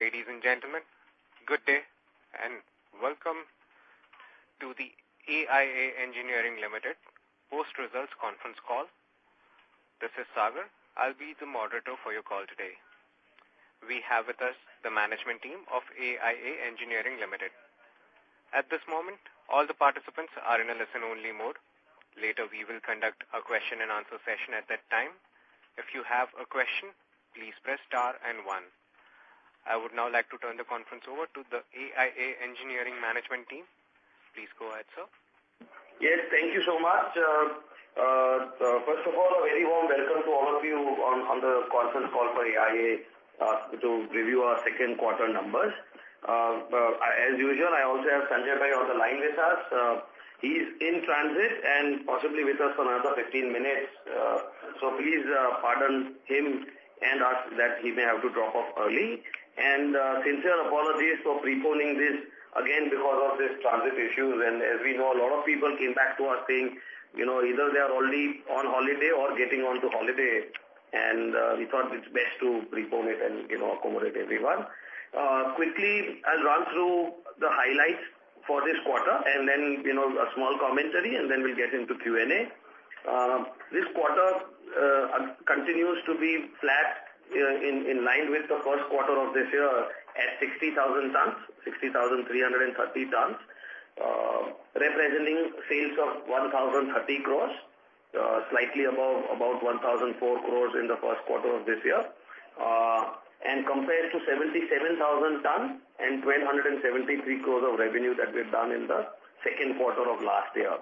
Ladies and gentlemen, good day and welcome to the AIA Engineering Limited Post-Results Conference Call. This is Sagar. I'll be the moderator for your call today. We have with us the management team of AIA Engineering Limited. At this moment, all the participants are in a listen-only mode. Later, we will conduct a question-and-answer session at that time. If you have a question, please press star and one. I would now like to turn the conference over to the AIA Engineering Management Team. Please go ahead, sir. Yes, thank you so much. First of all, a very warm welcome to all of you on the conference call for AIA to review our second quarter numbers. As usual, I also have Sanjay Bhai on the line with us. He's in transit and possibly with us for another 15 minutes. So please pardon him and us that he may have to drop off early, and sincere apologies for preponing this again because of this transit issue, and as we know, a lot of people came back to us saying either they are already on holiday or getting on to holiday, and we thought it's best to prepone it and accommodate everyone. Quickly, I'll run through the highlights for this quarter and then a small commentary, and then we'll get into Q&A. This quarter continues to be flat in line with the first quarter of this year at 60,000 tons, 60,330 tons, representing sales of 1,030 crores, slightly above about 1,004 crores in the first quarter of this year, and compared to 77,000 tons and 1,273 crores of revenue that we have done in the second quarter of last year.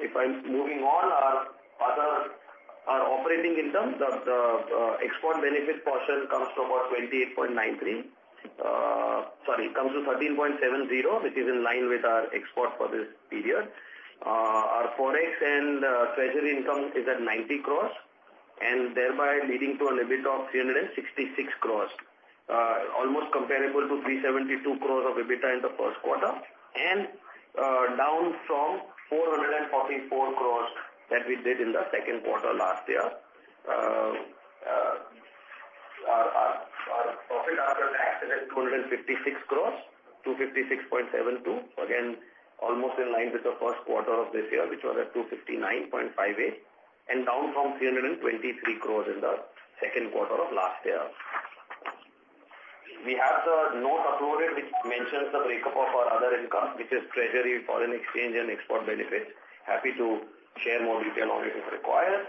If I'm moving on, our operating income, the export benefit portion comes to about 28.93, sorry, comes to 13.70, which is in line with our export for this period. Our forex and treasury income is at 90 crores, and thereby leading to an EBITDA of 366 crores, almost comparable to 372 crores of EBITDA in the first quarter and down from 444 crores that we did in the second quarter last year. Our profit after tax is at 256 crores, 256.72, again, almost in line with the first quarter of this year, which was at 259.58, and down from 323 crores in the second quarter of last year. We have the note uploaded which mentions the breakup of our other income, which is treasury, foreign exchange, and export benefits. Happy to share more detail on it if required.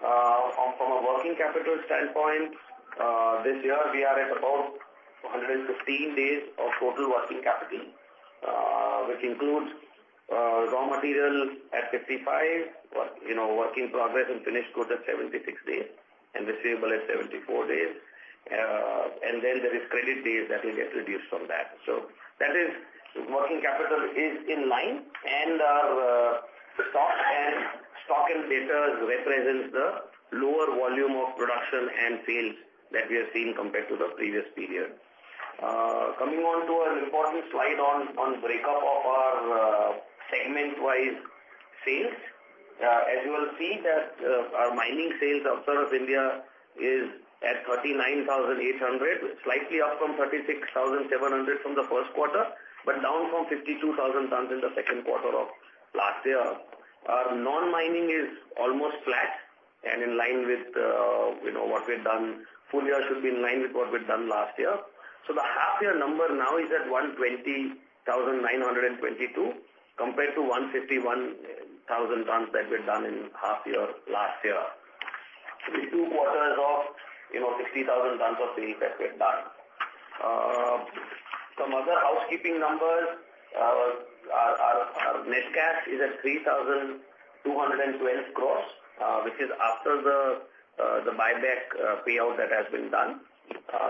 From a working capital standpoint, this year, we are at about 115 days of total working capital, which includes raw material at 55, work in progress and finished goods at 76 days, and receivable at 74 days, and then there is credit days that we get reduced from that, so that is working capital is in line, and our stock and debtors represents the lower volume of production and sales that we have seen compared to the previous period. Coming on to an important slide on breakup of our segment-wise sales, as you will see that our mining sales, up in India is at 39,800, slightly up from 36,700 from the first quarter, but down from 52,000 tons in the second quarter of last year. Our non-mining is almost flat and in line with what we've done. Full year should be in line with what we've done last year. So the half-year number now is at 120,922 compared to 151,000 tons that we've done in half-year last year, which is two quarters of 60,000 tons of sales that we've done. Some other housekeeping numbers. Our net cash is at 3,212 crores, which is after the buyback payout that has been done.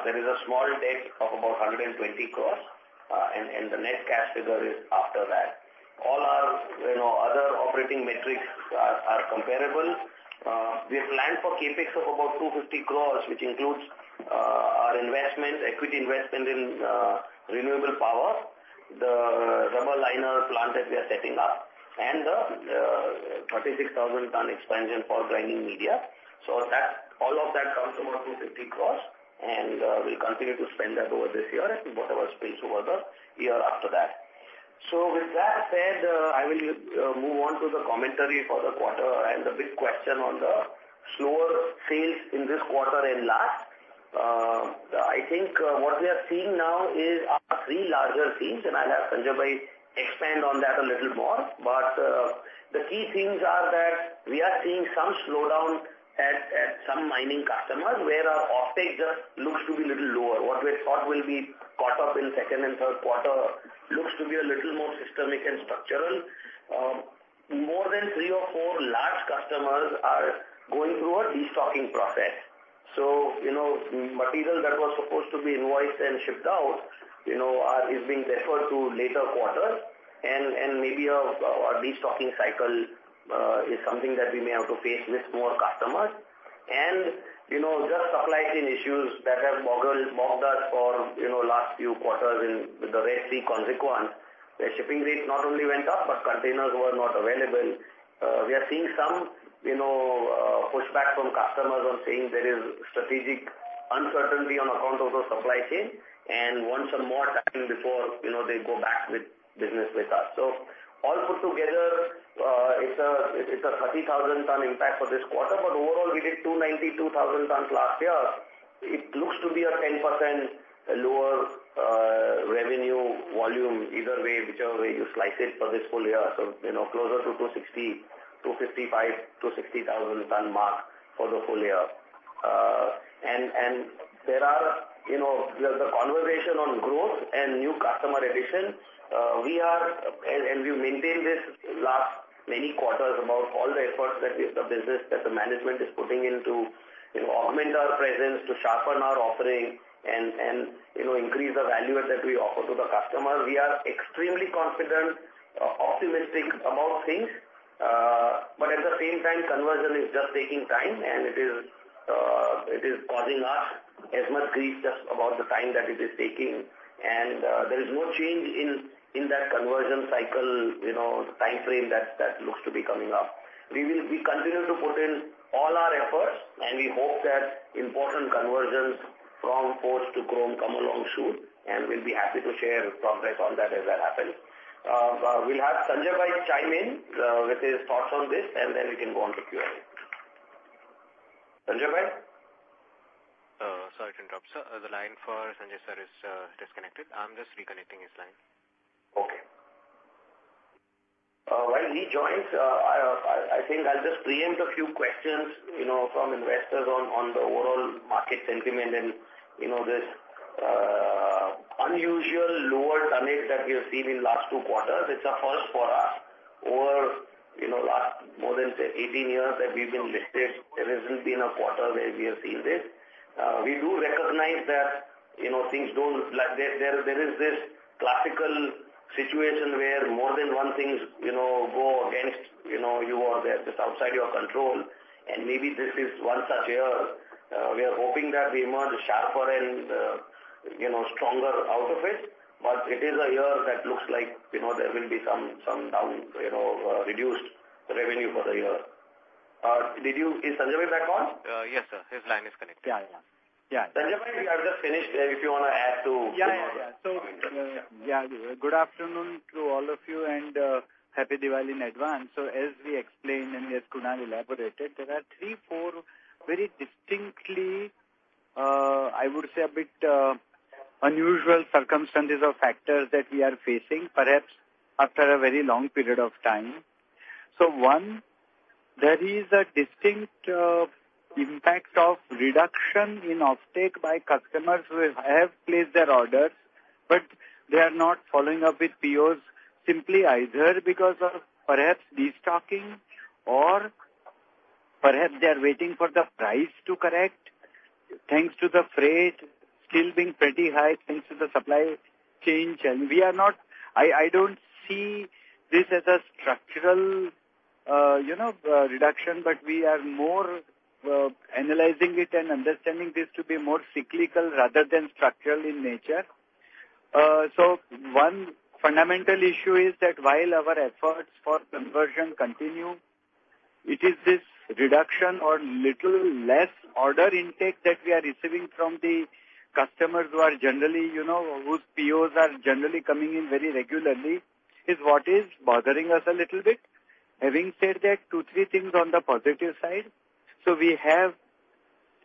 There is a small debt of about 120 crores, and the net cash figure is after that. All our other operating metrics are comparable. We have planned for CapEx of about 250 crores, which includes our investment, equity investment in renewable power, the rubber liner plant that we are setting up, and the 36,000-ton expansion for grinding media. So all of that comes to about 250 crores, and we'll continue to spend that over this year and whatever spills over the year after that. So with that said, I will move on to the commentary for the quarter and the big question on the slower sales in this quarter and last. I think what we are seeing now is our three larger themes, and I'll have Sanjay Bhai expand on that a little more. But the key things are that we are seeing some slowdown at some mining customers where our offtake just looks to be a little lower. What we thought will be caught up in second and third quarter looks to be a little more systemic and structural. More than three or four large customers are going through a destocking process. So material that was supposed to be invoiced and shipped out is being deferred to later quarters, and maybe our destocking cycle is something that we may have to face with more customers. And just supply chain issues that have bogged us for the last few quarters with the Red Sea consequence, where shipping rates not only went up, but containers were not available. We are seeing some pushback from customers on saying there is strategic uncertainty on account of the supply chain, and once or more time before they go back with business with us. So all put together, it's a 30,000-ton impact for this quarter, but overall, we did 292,000 tons last year. It looks to be a 10% lower revenue volume either way, whichever way you slice it for this full year. So closer to 255,000-260,000-ton mark for the full year. And there are the conversation on growth and new customer addition. We are, and we've maintained this last many quarters about all the efforts that the business, that the management is putting into augment our presence to sharpen our offering and increase the value that we offer to the customer. We are extremely confident, optimistic about things, but at the same time, conversion is just taking time, and it is causing us as much grief just about the time that it is taking. And there is no change in that conversion cycle timeframe that looks to be coming up. We continue to put in all our efforts, and we hope that important conversions from forged to chrome come along soon, and we'll be happy to share progress on that as that happens. We'll have Sanjay Bhai chime in with his thoughts on this, and then we can go on to Q&A. Sanjay Bhai? Sorry to interrupt. The line for Sanjay Sir is disconnected. I'm just reconnecting his line. Okay. While he joins, I think I'll just preempt a few questions from investors on the overall market sentiment and this unusual lower turning that we have seen in the last two quarters. It's a first for us. Over the last more than 18 years that we've been listed, there hasn't been a quarter where we have seen this. We do recognize that things don't. There is this classical situation where more than one thing goes against you or just outside your control, and maybe this is one such year. We are hoping that we emerge sharper and stronger out of it, but it is a year that looks like there will be some reduced revenue for the year. Is Sanjay Bhai back on? Yes, sir. His line is connected. Yeah, yeah. Yeah. Sanjay Bhai, we have just finished. If you want to add to. Yeah, yeah. So good afternoon to all of you, and happy Diwali in advance. So as we explained and as Kunal elaborated, there are three, four very distinctly, I would say, a bit unusual circumstances or factors that we are facing, perhaps after a very long period of time. So one, there is a distinct impact of reduction in offtake by customers who have placed their orders, but they are not following up with POs simply either because of perhaps destocking or perhaps they are waiting for the price to correct thanks to the freight still being pretty high thanks to the supply chain. And we are not, I don't see this as a structural reduction, but we are more analyzing it and understanding this to be more cyclical rather than structural in nature. One fundamental issue is that while our efforts for conversion continue, it is this reduction or little less order intake that we are receiving from the customers who are generally, whose POs are generally coming in very regularly, is what is bothering us a little bit. Having said that, two, three things on the positive side. We have,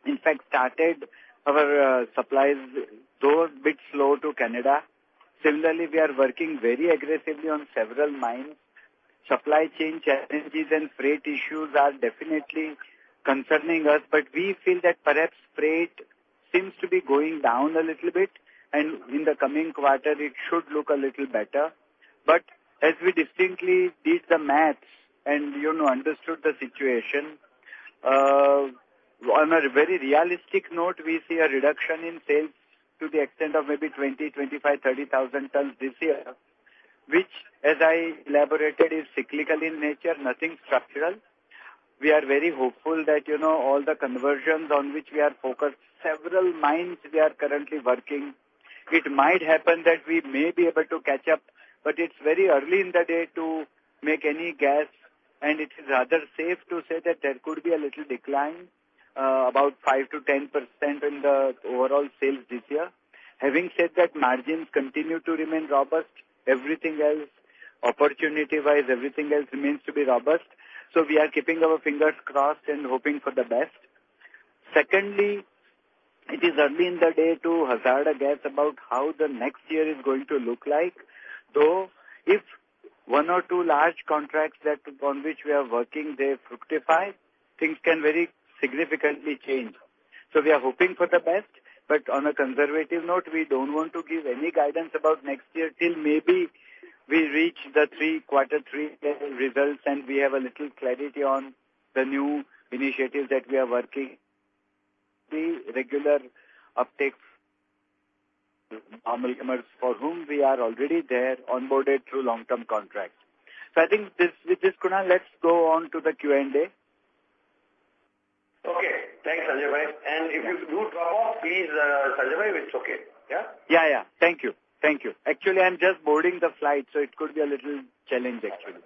in fact, started our supplies though a bit slow to Canada. Similarly, we are working very aggressively on several mines. Supply chain challenges and freight issues are definitely concerning us, but we feel that perhaps freight seems to be going down a little bit, and in the coming quarter, it should look a little better. As we distinctly did the math and understood the situation, on a very realistic note, we see a reduction in sales to the extent of maybe 20,000, 25,000, 30,000 tons this year, which, as I elaborated, is cyclical in nature, nothing structural. We are very hopeful that all the conversions on which we are focused, several mines we are currently working, it might happen that we may be able to catch up, but it's very early in the day to make any guess, and it is rather safe to say that there could be a little decline, about 5%-10% in the overall sales this year. Having said that, margins continue to remain robust. Everything else, opportunity-wise, everything else remains to be robust. We are keeping our fingers crossed and hoping for the best. Secondly, it is early in the day to hazard a guess about how the next year is going to look like. Though if one or two large contracts on which we are working, they fructify, things can very significantly change. So we are hoping for the best, but on a conservative note, we don't want to give any guidance about next year till maybe we reach the quarter three results and we have a little clarity on the new initiatives that we are working. The regular uptake, normal commerce for whom we are already there, onboarded through long-term contracts. So I think with this, Kunal, let's go on to the Q&A. Okay. Thanks, Sanjay Bhai. And if you do drop off, please, Sanjay Bhai, it's okay. Yeah? Yeah, yeah. Thank you. Thank you. Actually, I'm just boarding the flight, so it could be a little challenge, actually.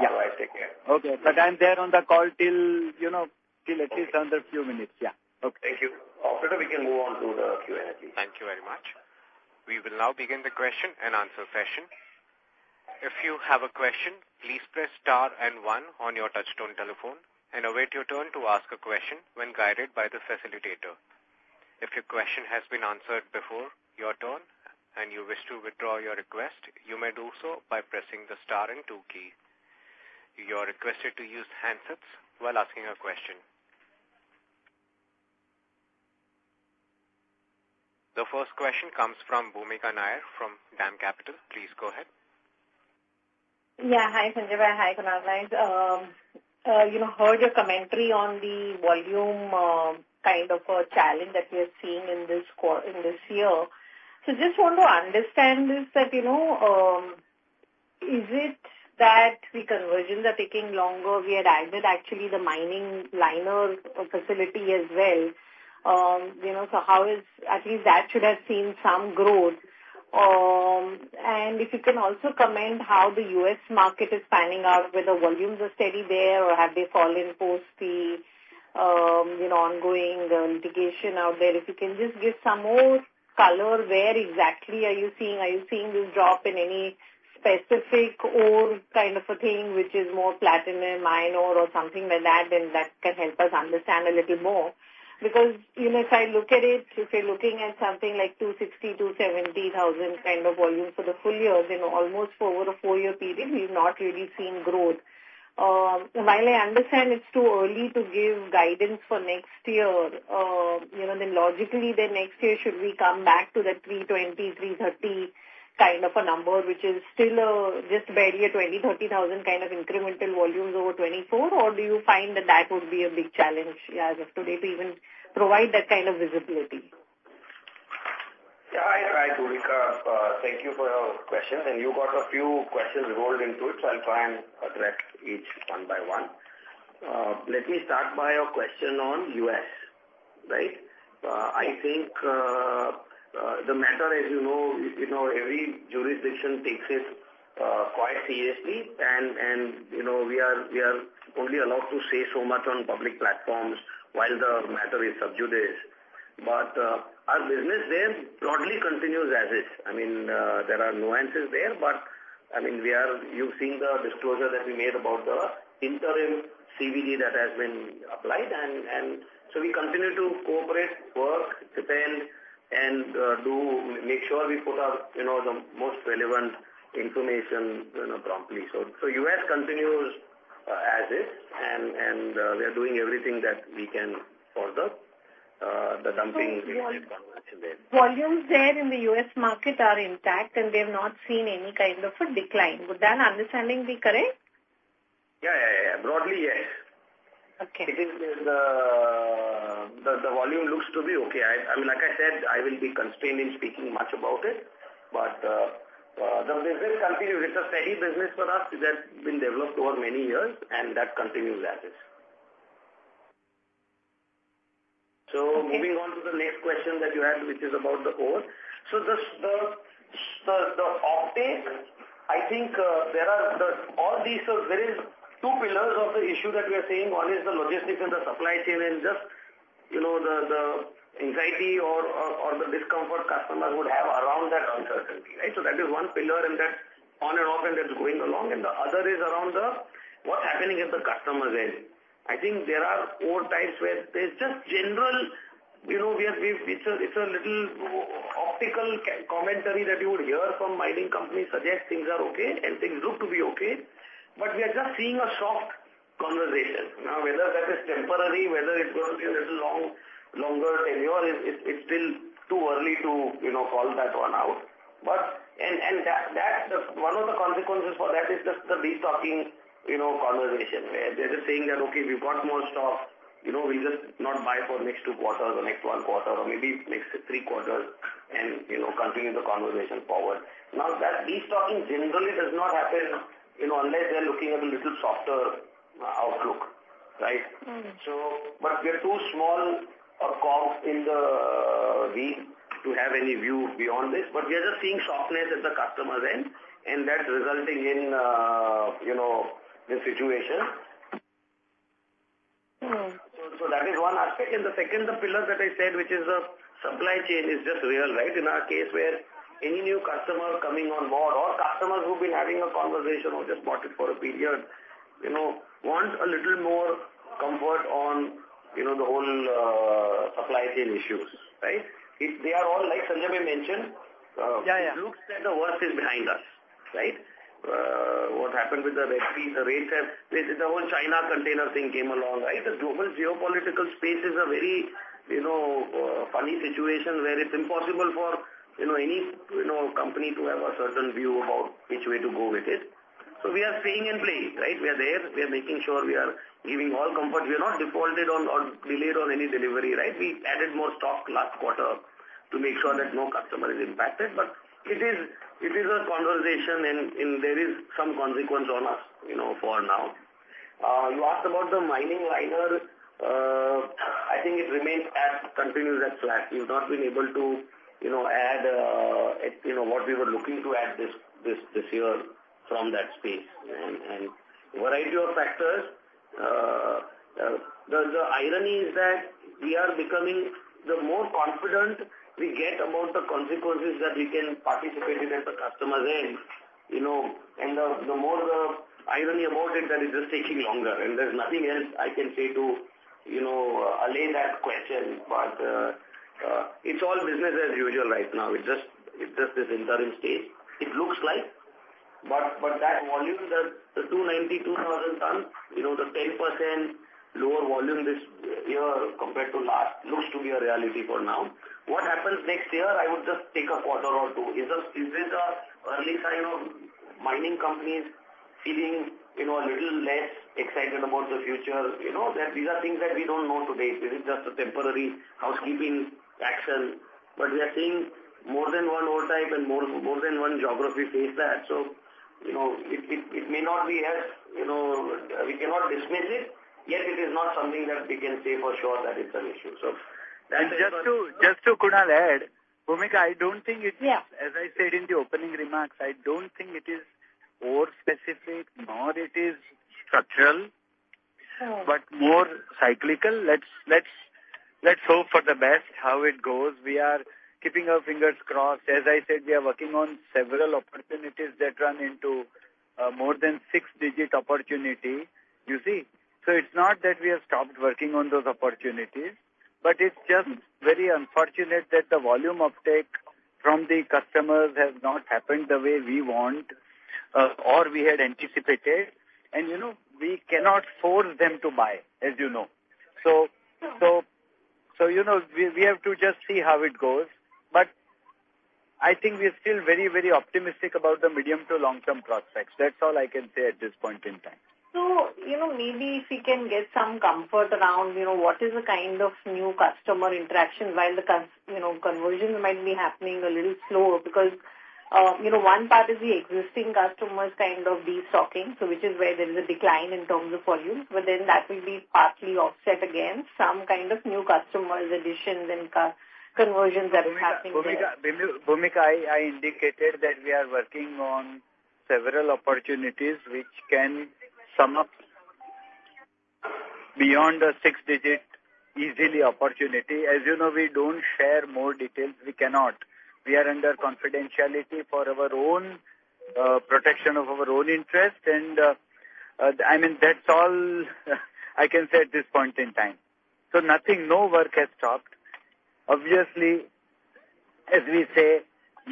No worries. Take care. Okay. But I'm there on the call till at least another few minutes. Yeah. Okay. Thank you. After that, we can move on to the Q&A. Thank you very much. We will now begin the question and answer session. If you have a question, please press star and one on your touch-tone telephone and await your turn to ask a question when guided by the facilitator. If your question has been answered before your turn and you wish to withdraw your request, you may do so by pressing the star and two key. You are requested to use handsets while asking a question. The first question comes from Bhoomika Nair from DAM Capital. Please go ahead. Yeah. Hi, Sanjay Bhai. Hi, Kunal Shah. Heard your commentary on the volume kind of challenge that we are seeing in this year. So just want to understand this, that is it that the conversions are taking longer? We had added actually the mining liner facility as well. So how is, at least that should have seen some growth. And if you can also comment how the US market is panning out, whether volumes are steady there or have they fallen post the ongoing litigation out there. If you can just give some more color, where exactly are you seeing? Are you seeing this drop in any specific ore kind of a thing, which is more platinum, iron, or something like that? And that can help us understand a little more. Because if I look at it, if you're looking at something like 260-270 thousand kind of volume for the full year, then almost for over a four-year period, we've not really seen growth. While I understand it's too early to give guidance for next year, then logically, then next year, should we come back to that 320-330 kind of a number, which is still just barely a 20-30 thousand kind of incremental volumes over 2024? Or do you find that that would be a big challenge as of today to even provide that kind of visibility? Yeah. I'll try to recap. Thank you for your questions. And you got a few questions rolled into it, so I'll try and address each one by one. Let me start by a question on U.S., right? I think the matter, as you know, every jurisdiction takes it quite seriously, and we are only allowed to say so much on public platforms while the matter is sub judice. But our business there broadly continues as is. I mean, there are nuances there, but I mean, you've seen the disclosure that we made about the interim CVD that has been applied. And so we continue to cooperate, work, defend, and make sure we put out the most relevant information promptly. So U.S. continues as is, and we are doing everything that we can for the dumping convention there. Volumes there in the U.S. market are intact, and they have not seen any kind of a decline. Would that understanding be correct? Yeah, yeah, yeah. Broadly, yes. Okay. The volume looks to be okay. I mean, like I said, I will be constrained in speaking much about it, but the business continues. It's a steady business for us. It has been developed over many years, and that continues as is. So moving on to the next question that you had, which is about the ore. So the offtake, I think there are all these two pillars of the issue that we are seeing. One is the logistics and the supply chain and just the anxiety or the discomfort customers would have around that uncertainty, right? So that is one pillar, and that's on and off, and that's going along, and the other is around what's happening at the customer's end. I think there are ore types where there's just general, it's a little optical commentary that you would hear from mining companies suggest things are okay and things look to be okay, but we are just seeing a soft conversation. Now, whether that is temporary, whether it's going to be a little longer tenure, it's still too early to call that one out. And one of the consequences for that is just the destocking conversation, where they're just saying that, "Okay, we've got more stock. We'll just not buy for next two quarters or next one quarter or maybe next three quarters and continue the conversation forward." Now, that destocking generally does not happen unless they're looking at a little softer outlook, right? But we are too small a cog in the wheel to have any view beyond this. But we are just seeing softness at the customer's end, and that's resulting in this situation. So that is one aspect. And the second, the pillar that I said, which is the supply chain, is just real, right? In our case, where any new customer coming on board or customers who've been having a conversation or just bought it for a period want a little more comfort on the whole supply chain issues, right? They are all, like Sanjay Bhai mentioned, it looks that the worst is behind us, right? What happened with the rates? The whole China container thing came along, right? The global geopolitical space is a very funny situation where it's impossible for any company to have a certain view about which way to go with it. So we are staying in place, right? We are there. We are making sure we are giving all comfort. We are not defaulted or delayed on any delivery, right? We added more stock last quarter to make sure that no customer is impacted, but it is a conversation, and there is some consequence on us for now. You asked about the mill liner. I think it remains as is, continues at slack. We've not been able to add what we were looking to add this year from that space, and a variety of factors. The irony is that we are becoming the more confident we get about the conversations that we can participate in at the customer's end, and the more ironic about it, that it's just taking longer, and there's nothing else I can say to allay that question, but it's all business as usual right now. It's just this interim state, it looks like. But that volume, the 292,000 tons, the 10% lower volume this year compared to last, looks to be a reality for now. What happens next year? I would just take a quarter or two. Is this an early sign of mining companies feeling a little less excited about the future? These are things that we don't know today. This is just a temporary housekeeping action. But we are seeing more than one ore type and more than one geography face that. So it may not be as we cannot dismiss it, yet it is not something that we can say for sure that it's an issue. And just to Kunal add, Bhumika, I don't think it is, as I said in the opening remarks. I don't think it is ore specific, nor it is structural, but more cyclical. Let's hope for the best how it goes. We are keeping our fingers crossed. As I said, we are working on several opportunities that run into more than six-digit opportunity. You see? So it's not that we have stopped working on those opportunities, but it's just very unfortunate that the volume uptake from the customers has not happened the way we want or we had anticipated. And we cannot force them to buy, as you know. So we have to just see how it goes. But I think we are still very, very optimistic about the medium to long-term prospects. That's all I can say at this point in time. So maybe if we can get some comfort around what is the kind of new customer interaction while the conversions might be happening a little slower? Because one part is the existing customers kind of destocking, which is where there is a decline in terms of volume. But then that will be partly offset against some kind of new customers, additions, and conversions that are happening today. Bhumika, I indicated that we are working on several opportunities which can sum up beyond a six-digit easily opportunity. As you know, we don't share more details. We cannot. We are under confidentiality for our own protection of our own interest, and I mean, that's all I can say at this point in time, so nothing, no work has stopped. Obviously, as we say,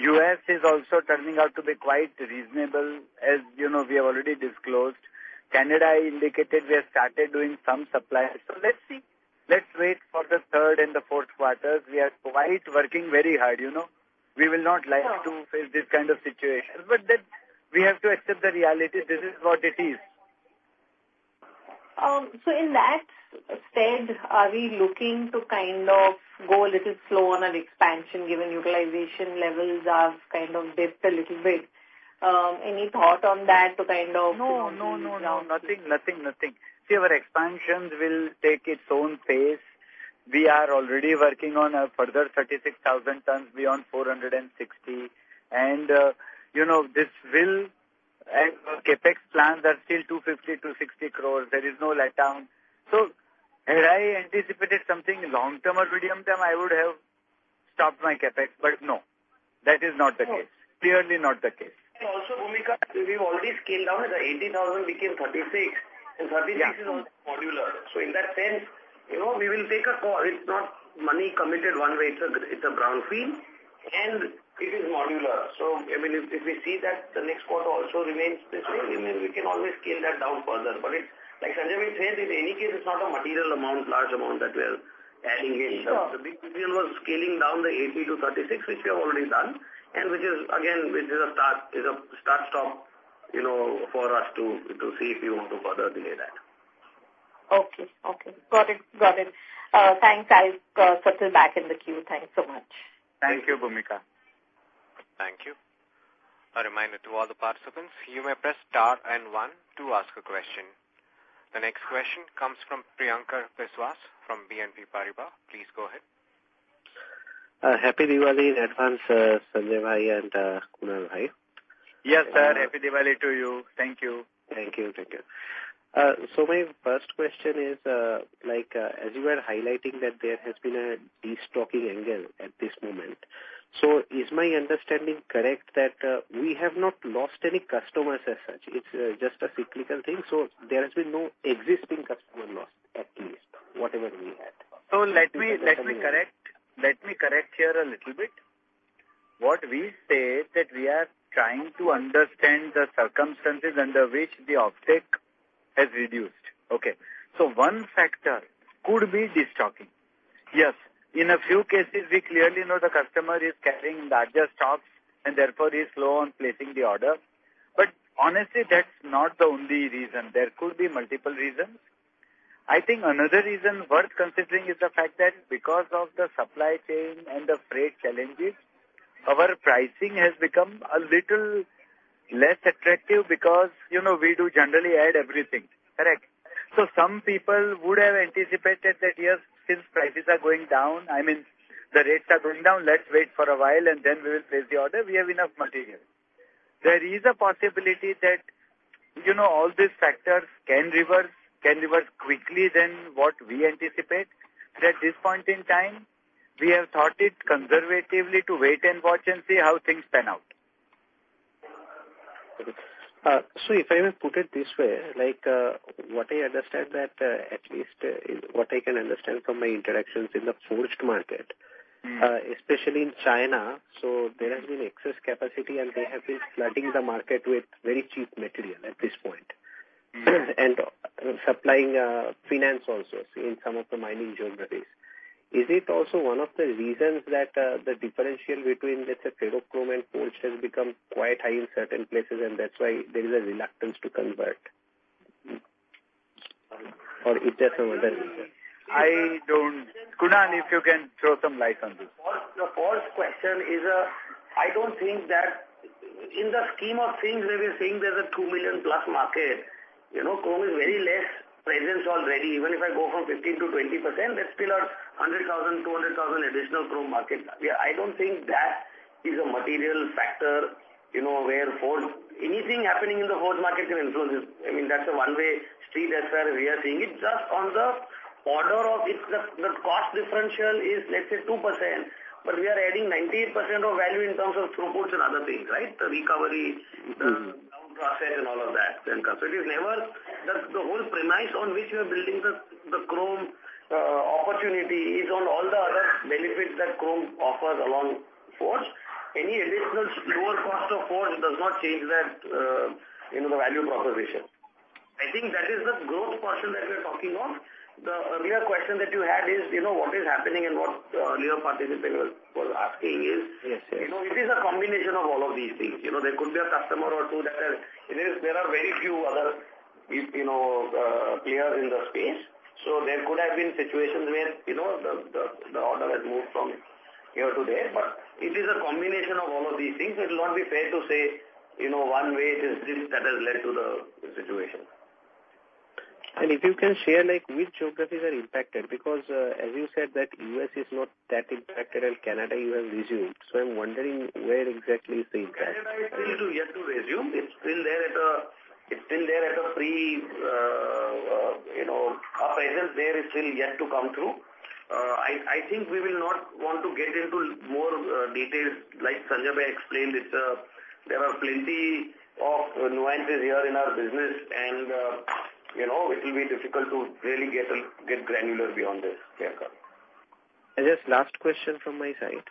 U.S. is also turning out to be quite reasonable, as we have already disclosed. Canada, I indicated we have started doing some supply, so let's see. Let's wait for the third and the fourth quarters. We are quite working very hard. We will not like to face this kind of situation, but then we have to accept the reality. This is what it is. So in that stead, are we looking to kind of go a little slow on our expansion, given utilization levels have kind of dipped a little bit? Any thought on that to kind of slow down? No, no, no, no. Nothing, nothing, nothing. See, our expansion will take its own pace. We are already working on a further 36,000 tons beyond 460. And this will, and CapEx plans are still 250-260 crores. There is no letdown. So had I anticipated something long-term or medium term, I would have stopped my CapEx. But no, that is not the case. Clearly not the case. Also, Bhumika, we've already scaled down. The 80,000 became 36. And 36 is only modular. So in that sense, we will take a call. It's not money committed one way. It's a brownfield, and it is modular. So I mean, if we see that the next quarter also remains this way, then we can always scale that down further. But like Sanjay Bhai said, in any case, it's not a material amount, large amount that we are adding in. The big deal was scaling down the 80 to 36, which we have already done, and which is, again, a start-stop for us to see if we want to further delay that. Okay, okay. Got it. Got it. Thanks. I'll settle back in the queue. Thanks so much. Thank you, Bhumika. Thank you. A reminder to all the participants, you may press star and one to ask a question. The next question comes from Priyankar Biswas from BNP Paribas. Please go ahead. Happy Diwali in advance, Sanjay Bhai and Kunal Bhai. Yes, sir. Happy Diwali to you. Thank you. Thank you. Thank you. So my first question is, as you were highlighting that there has been a destocking angle at this moment, so is my understanding correct that we have not lost any customers as such? It's just a cyclical thing. So there has been no existing customer loss, at least, whatever we had. So let me correct here a little bit. What we say is that we are trying to understand the circumstances under which the offtake has reduced. Okay. So one factor could be destocking. Yes, in a few cases, we clearly know the customer is carrying larger stocks and therefore is slow on placing the order. But honestly, that's not the only reason. There could be multiple reasons. I think another reason worth considering is the fact that because of the supply chain and the freight challenges, our pricing has become a little less attractive because we do generally add everything. Correct. So some people would have anticipated that, yes, since prices are going down, I mean, the rates are going down, let's wait for a while, and then we will place the order. We have enough material. There is a possibility that all these factors can reverse quickly than what we anticipate that at this point in time, we have thought it conservatively to wait and watch and see how things pan out. So if I may put it this way, what I understand that at least is what I can understand from my interactions in the forged market, especially in China, so there has been excess capacity, and they have been flooding the market with very cheap material at this point and supplying finance also in some of the mining joint ventures. Is it also one of the reasons that the differential between, let's say, Ferrochrome and forged has become quite high in certain places, and that's why there is a reluctance to convert? Or is there some other reason? I don't. Kunal, if you can throw some light on this. The first question is, I don't think that in the scheme of things, where we're saying there's a 2 million-plus market, chrome is very less present already. Even if I go from 15%-20%, there's still a 100,000, 200,000 additional chrome market. I don't think that is a material factor where anything happening in the forged market can influence it. I mean, that's a one-way street as far as we are seeing it. Just on the order of the cost differential is, let's say, 2%, but we are adding 98% of value in terms of throughputs and other things, right? The recovery, the down process, and all of that. The whole premise on which we are building the chrome opportunity is on all the other benefits that chrome offers along forge. Any additional lower cost of forge does not change the value proposition. I think that is the growth portion that we are talking of. The earlier question that you had is, what is happening and what the earlier participant was asking is, it is a combination of all of these things. There could be a customer or two that are there. There are very few other players in the space. So there could have been situations where the order has moved from here to there. But it is a combination of all of these things. It will not be fair to say one way it is this that has led to the situation. And if you can share which geographies are impacted? Because as you said, that U.S. is not that impacted and Canada, U.S. resumed. So I'm wondering where exactly is the impact? Canada, US resume. It's still there at a presence there. It's still yet to come through. I think we will not want to get into more details. Like Sanjay Bhai explained, there are plenty of nuances here in our business, and it will be difficult to really get granular beyond this. Just last question from my side.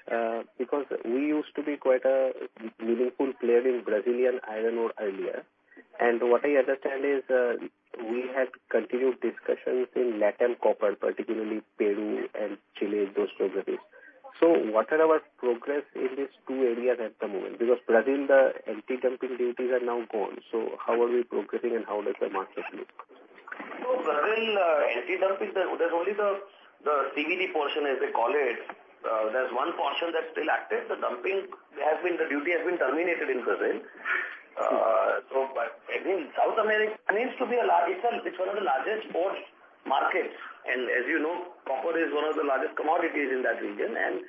Because we used to be quite a meaningful player in Brazilian iron ore earlier, and what I understand is we had continued discussions in lead and copper, particularly Peru and Chile in those geographies, so what are our progress in these two areas at the moment? Because Brazil, the anti-dumping duties are now gone, so how are we progressing and how does the market look? So Brazil, anti-dumping, there's only the CVD portion, as they call it. There's one portion that's still active. The dumping duty has been terminated in Brazil. But again, South America needs to be a large. It's one of the largest forged markets. And as you know, copper is one of the largest commodities in that region. And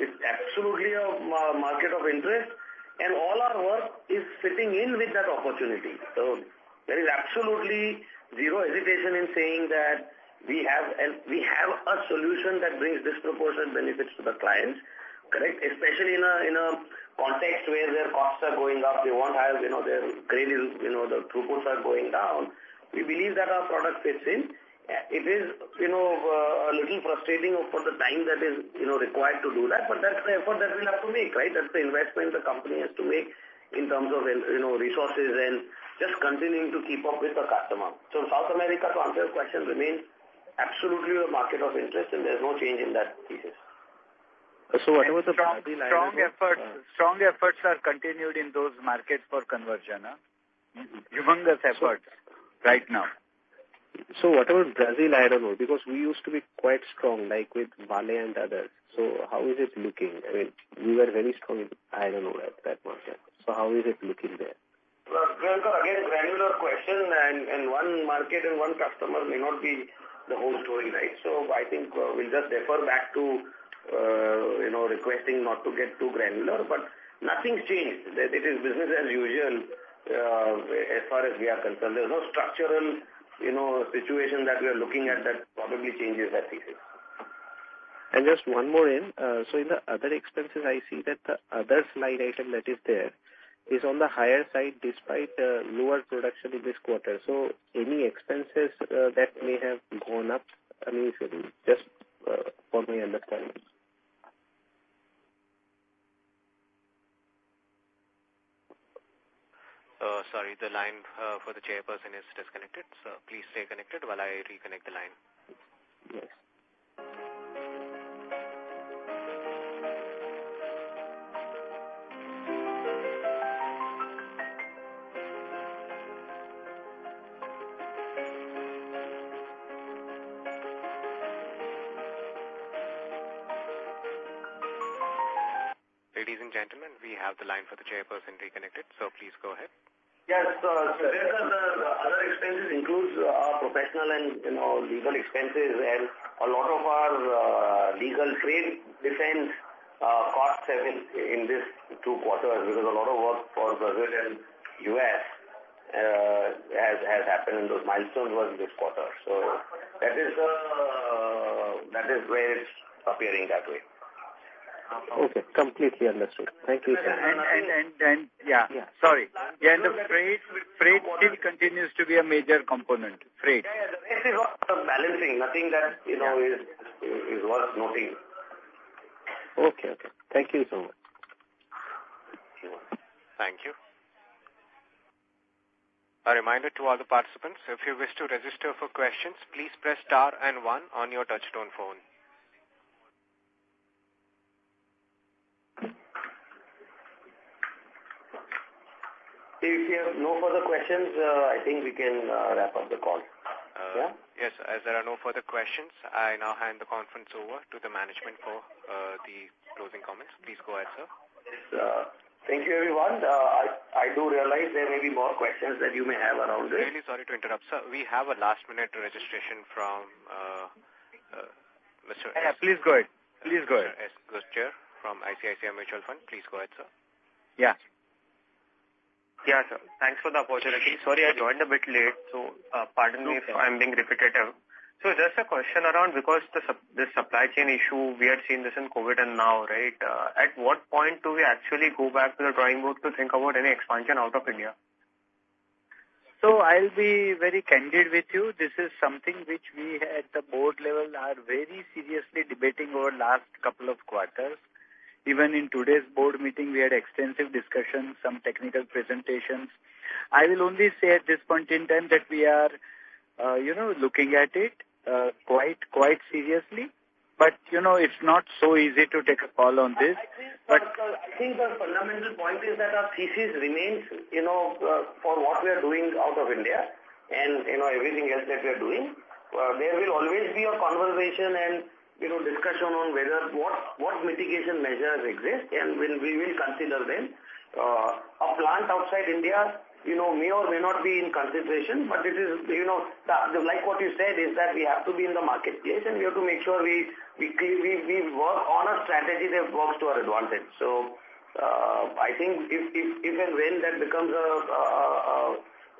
it's absolutely a market of interest. And all our work is fitting in with that opportunity. So there is absolutely zero hesitation in saying that we have a solution that brings disproportionate benefits to the clients. Correct? Especially in a context where their costs are going up, they want higher head grade, the throughputs are going down. We believe that our product fits in. It is a little frustrating for the time that is required to do that. But that's the effort that we have to make, right? That's the investment the company has to make in terms of resources and just continuing to keep up with the customer. So South America, to answer your question, remains absolutely a market of interest, and there's no change in that thesis. So what about the Brazil iron ore? Strong efforts are continued in those markets for conversion. Humongous efforts right now. What about Brazil iron ore? Because we used to be quite strong, like with Vale and others. How is it looking? I mean, we were very strong iron ore at that market. How is it looking there? Again, granular question. And one market and one customer may not be the whole story, right? So I think we'll just defer back to requesting not to get too granular. But nothing's changed. It is business as usual as far as we are concerned. There's no structural situation that we are looking at that probably changes that thesis. And just one more thing. So in the other expenses, I see that the other slide item that is there is on the higher side despite lower production in this quarter. So any expenses that may have gone up? I mean, just for my understanding. Sorry, the line for the chairperson is disconnected, so please stay connected while I reconnect the line. Yes. Ladies and gentlemen, we have the line for the chairperson reconnected. So please go ahead. Yes. So these are the other expenses include our professional and legal expenses. And a lot of our legal trade defense costs have been in these two quarters because a lot of work for Brazil and U.S. has happened in those milestones was this quarter. So that is where it's appearing that way. Okay. Completely understood. Thank you so much. And yeah, sorry. Yeah, the freight still continues to be a major component. Freight. It is about balancing. Nothing that is worth noting. Okay. Okay. Thank you so much. Thank you. A reminder to all the participants. If you wish to register for questions, please press star and one on your touch-tone phone. If you have no further questions, I think we can wrap up the call. Yes. As there are no further questions, I now hand the conference over to the management for the closing comments. Please go ahead, sir. Thank you, everyone. I do realize there may be more questions that you may have around it. Really sorry to interrupt, sir. We have a last-minute registration from Mr. Please go ahead. Please go ahead. Yes. Mr. Chirag from ICICI Mutual Fund, please go ahead, sir. Yes. Yeah, sir. Thanks for the opportunity. Sorry, I joined a bit late. So pardon me if I'm being repetitive. So just a question around, because the supply chain issue, we had seen this in COVID and now, right? At what point do we actually go back to the drawing board to think about any expansion out of India? So I'll be very candid with you. This is something which we at the board level are very seriously debating over the last couple of quarters. Even in today's board meeting, we had extensive discussions, some technical presentations. I will only say at this point in time that we are looking at it quite seriously. But it's not so easy to take a call on this. I think the fundamental point is that our thesis remains for what we are doing out of India and everything else that we are doing. There will always be a conversation and discussion on what mitigation measures exist, and we will consider them. A plant outside India may or may not be in consideration, but it is like what you said, is that we have to be in the marketplace, and we have to make sure we work on a strategy that works to our advantage. So I think if and when that becomes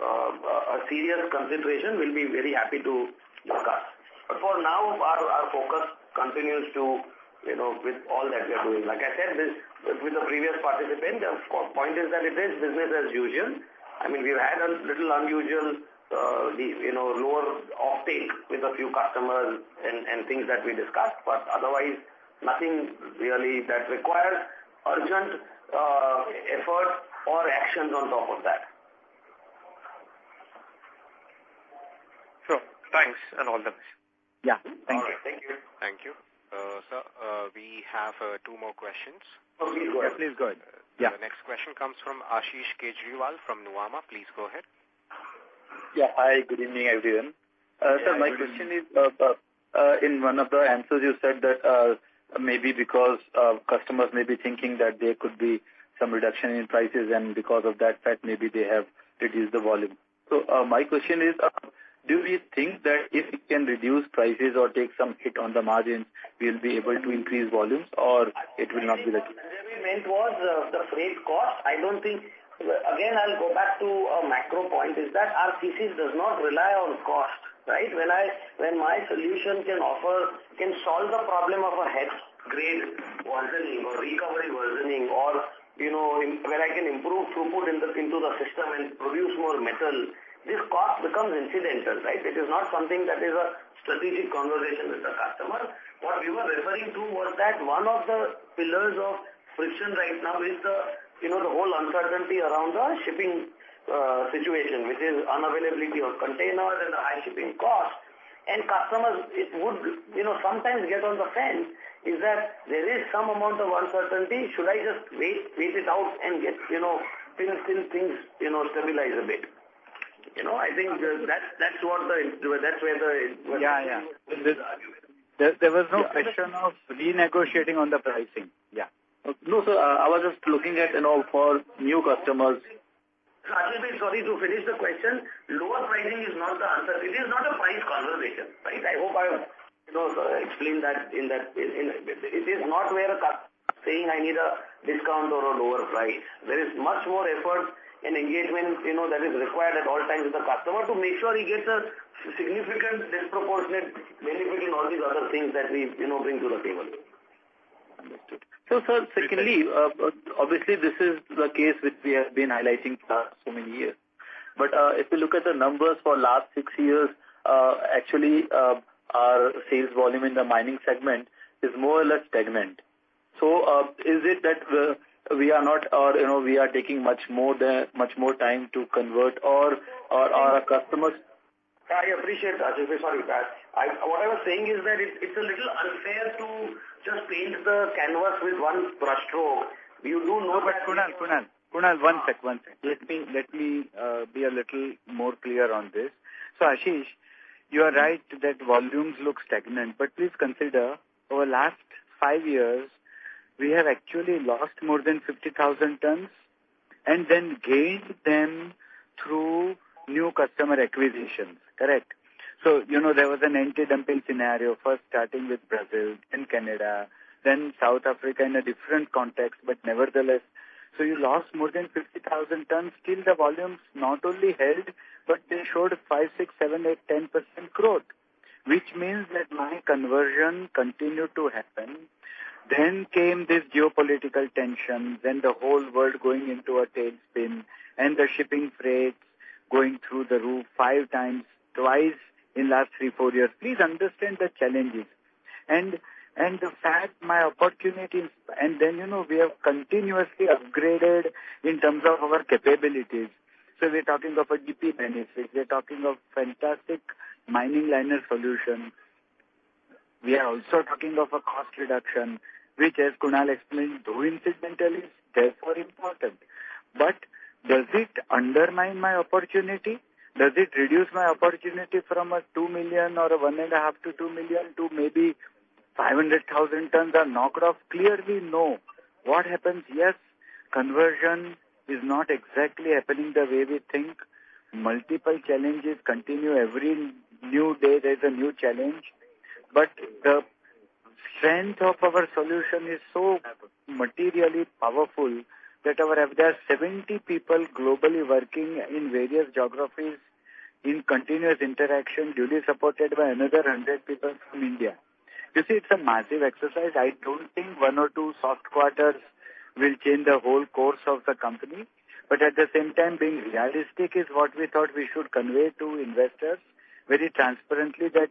a serious consideration, we'll be very happy to discuss. But for now, our focus continues with all that we are doing. Like I said with the previous participant, the point is that it is business as usual. I mean, we've had a little unusual lower offtake with a few customers and things that we discussed, but otherwise, nothing really that requires urgent effort or actions on top of that. Thanks and all the best. Yeah. Thank you. Thank you. Thank you. Sir, we have two more questions. Okay. Go ahead. Please go ahead. The next question comes from Ashish Kejriwal from Nuvama. Please go ahead. Yeah. Hi. Good evening, everyone. Sir, my question is, in one of the answers, you said that maybe because customers may be thinking that there could be some reduction in prices, and because of that fact, maybe they have reduced the volume. So my question is, do we think that if we can reduce prices or take some hit on the margins, we'll be able to increase volumes, or it will not be the case? What I meant was the freight cost. I don't think again, I'll go back to a macro point, is that our thesis does not rely on cost, right? When my solution can solve the problem of a head grade worsening or recovery worsening, or when I can improve throughput into the system and produce more metal, this cost becomes incidental, right? It is not something that is a strategic conversation with the customer. What we were referring to was that one of the pillars of friction right now is the whole uncertainty around the shipping situation, which is unavailability of containers and the high shipping cost. Customers would sometimes sit on the fence, in that there is some amount of uncertainty. Should I just wait it out and till things stabilize a bit? I think that's where the. Yeah. Yeah. There was no question of renegotiating on the pricing. Yeah. No, sir. I was just looking at for new customers. Ashish, sorry to finish the question. Lower pricing is not the answer. It is not a price conversation, right? I hope I explained that in that it is not we're saying I need a discount or a lower price. There is much more effort and engagement that is required at all times with the customer to make sure he gets a significant disproportionate benefit in all these other things that we bring to the table. Understood. So, sir, secondly, obviously, this is the case which we have been highlighting for so many years. But if you look at the numbers for the last six years, actually, our sales volume in the mining segment is more or less stagnant. So is it that we are not or we are taking much more time to convert or our customers? I appreciate Ashish. Sorry. What I was saying is that it's a little unfair to just paint the canvas with one brushstroke. You do know that. Yeah. Kunal. One sec. Let me be a little more clear on this. So Ashish, you are right that volumes look stagnant. But please consider, over the last five years, we have actually lost more than 50,000 tons and then gained them through new customer acquisitions. Correct? So there was an anti-dumping scenario first starting with Brazil and Canada, then South Africa in a different context, but nevertheless. So you lost more than 50,000 tons. Still, the volumes not only held, but they showed 5%, 6%, 7%, 8%, 10% growth, which means that my conversion continued to happen. Then came this geopolitical tension, then the whole world going into a tailspin, and the shipping freights going through the roof twice in the last three, four years. Please understand the challenges. And the fact, my opportunity and then we have continuously upgraded in terms of our capabilities. So we're talking of a DP benefit. We're talking of fantastic mining liner solution. We are also talking of a cost reduction, which, as Kunal explained, though incidental is therefore important. But does it undermine my opportunity? Does it reduce my opportunity from a 2 million or a 1.5-2 million to maybe 500,000 tons are knocked off? Clearly, no. What happens? Yes, conversion is not exactly happening the way we think. Multiple challenges continue every new day. There's a new challenge. But the strength of our solution is so materially powerful that there are 70 people globally working in various geographies in continuous interaction, duly supported by another 100 people from India. You see, it's a massive exercise. I don't think one or two soft quarters will change the whole course of the company, but at the same time, being realistic is what we thought we should convey to investors very transparently, that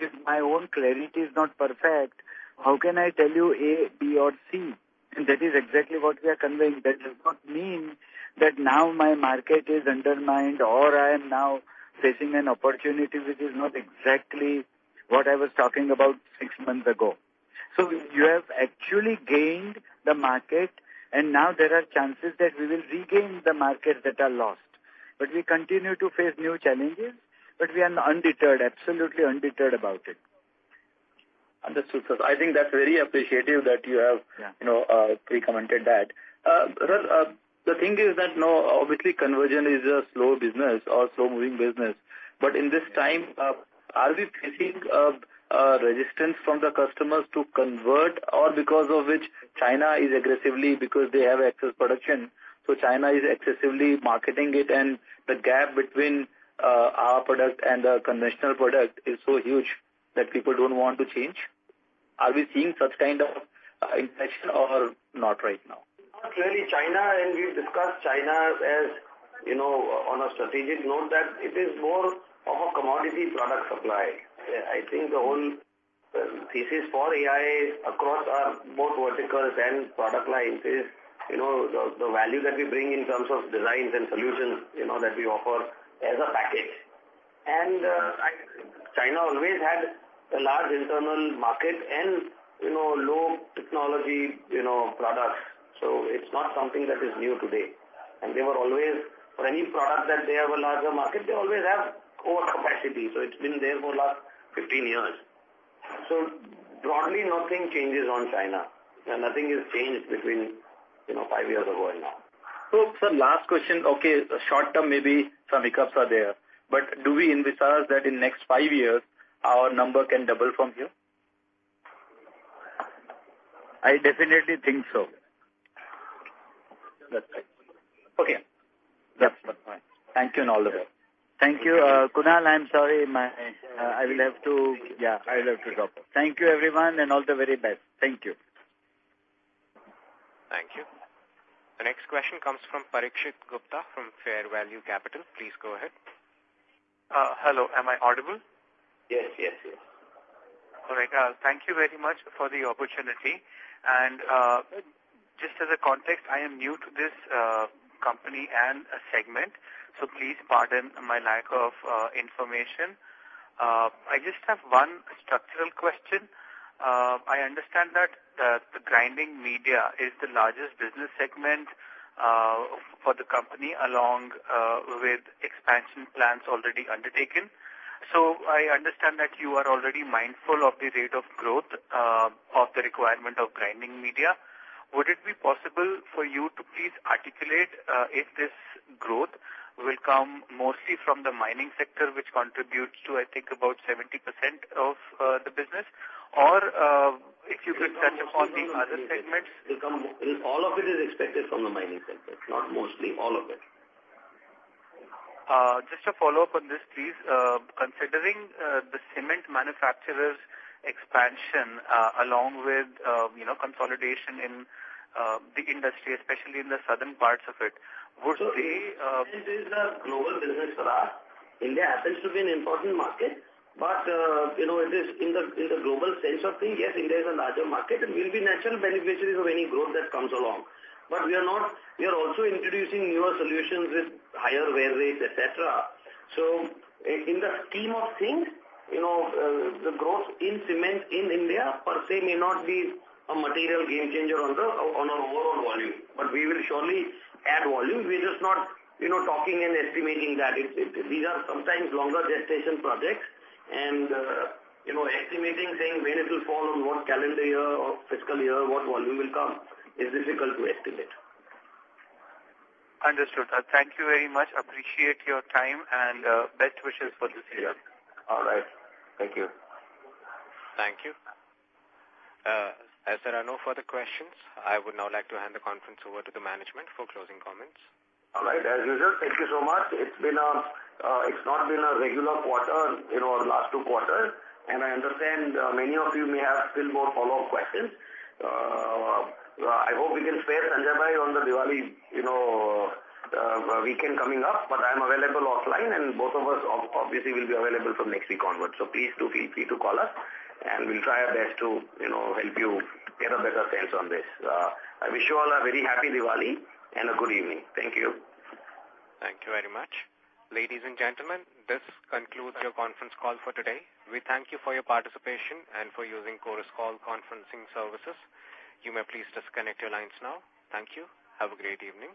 if my own clarity is not perfect, how can I tell you A, B, or C, and that is exactly what we are conveying. That does not mean that now my market is undermined or I am now facing an opportunity which is not exactly what I was talking about six months ago, so you have actually gained the market, and now there are chances that we will regain the markets that are lost, but we continue to face new challenges, but we are undeterred, absolutely undeterred about it. Understood, sir. I think that's very appreciated that you have recommended that. The thing is that, obviously, conversion is a slow business or slow-moving business. But in this time, are we facing resistance from the customers to convert, or because of which China is aggressively because they have excess production? So China is excessively marketing it, and the gap between our product and the conventional product is so huge that people don't want to change? Are we seeing such kind of inflection or not right now? Not really. China, and we've discussed China as, on a strategic note, that it is more of a commodity product supply. I think the whole thesis for AIA across both verticals and product lines is the value that we bring in terms of designs and solutions that we offer as a package. China always had a large internal market and low technology products. It's not something that is new today. They were always, for any product that they have a larger market, they always have overcapacity. It's been there for the last 15 years. Broadly, nothing changes on China. Nothing has changed between five years ago and now. So sir, last question. Okay. Short term, maybe some hiccups are there. But do we envisage that in the next five years, our number can double from here? I definitely think so. That's fine. Okay. That's fine. Thank you and all the best. Thank you. Kunal, I'm sorry. I will have to drop off. Thank you, everyone, and all the very best. Thank you. Thank you. The next question comes from Parikshit Gupta from Fair Value Capital. Please go ahead. Hello. Am I audible? Yes. Yes. Yes. All right. Thank you very much for the opportunity. And just as a context, I am new to this company and segment. So please pardon my lack of information. I just have one structural question. I understand that the grinding media is the largest business segment for the company along with expansion plans already undertaken. So I understand that you are already mindful of the rate of growth of the requirement of grinding media. Would it be possible for you to please articulate if this growth will come mostly from the mining sector, which contributes to, I think, about 70% of the business, or if you can touch upon the other segments? All of it is expected from the mining sector, not mostly. All of it. Just a follow-up on this, please. Considering the cement manufacturers' expansion along with consolidation in the industry, especially in the southern parts of it, would they? So this is a global business for us. India happens to be an important market, but it is in the global sense of things. Yes, India is a larger market, and we'll be natural beneficiaries of any growth that comes along. But we are also introducing newer solutions with higher wear rates, etc. So in the scheme of things, the growth in cement in India per se may not be a material game changer on our overall volume. But we will surely add volume. We're just not talking and estimating that. These are sometimes longer gestation projects, and estimating, saying, when it will fall on what calendar year or fiscal year, what volume will come, is difficult to estimate. Understood. Thank you very much. Appreciate your time and best wishes for this year. All right. Thank you. Thank you. As there are no further questions, I would now like to hand the conference over to the management for closing comments. All right. As usual, thank you so much. It's not been a regular quarter, the last two quarters. And I understand many of you may have still more follow-up questions. I hope we can spare Sanjaybhai on the Diwali weekend coming up, but I'm available offline, and both of us, obviously, will be available from next week onward. So please do feel free to call us, and we'll try our best to help you get a better sense on this. I wish you all a very happy Diwali and a good evening. Thank you. Thank you very much. Ladies and gentlemen, this concludes your conference call for today. We thank you for your participation and for using Chorus Call conferencing services. You may please disconnect your lines now. Thank you. Have a great evening.